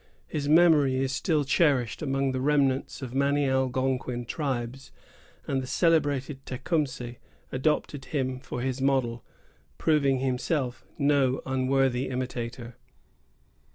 His memory is still cherished among the remnants of many Algonquin tribes, and the celebrated Tecumseh adopted him for his model, proving himself no unworthy imitator.